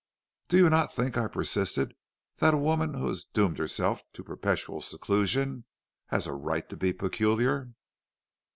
"'Do you not think,' I persisted, 'that a woman who has doomed herself to perpetual seclusion has a right to be peculiar?'